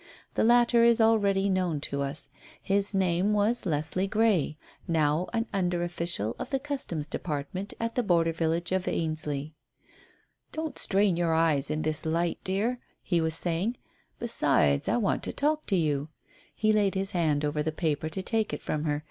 The latter is already known to us. His name was Leslie Grey, now an under official of the Customs department at the border village of Ainsley. "Don't strain your eyes in this light, dear," he was saying. "Besides, I want to talk to you." He laid his hand upon the paper to take it from her.